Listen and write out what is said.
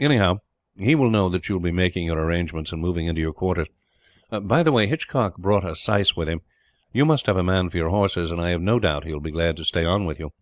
Anyhow, he will know that you will be making your arrangements, and moving into your quarters. "By the way, Hitchcock brought a syce with him. You must have a man for your horses, and I have no doubt he will be glad to stay on with you."